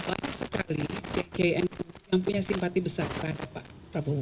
banyak sekali pgnu yang punya simpati besar terhadap pak prabowo